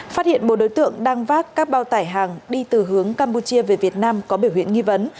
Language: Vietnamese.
phát hiện một đối tượng đang vác các bao tải hàng đi từ hướng campuchia về việt nam có biểu hiện nghi vấn